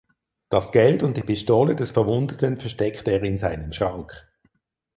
Das Geld und die Pistole des Verwundeten versteckt er in seinem Schrank.